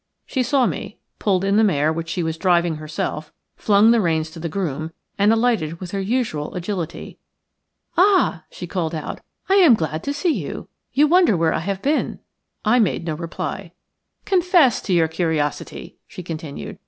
She saw me, pulled in the mare which she was driving herself, flung the reins to the groom, and alighted with her usual agility. "Ah!" she called out, "I am glad to see you. You wonder where I have been." I made no reply. "Confess to your curiosity," she continued.